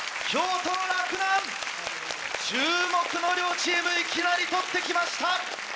注目の両チームいきなり取ってきました！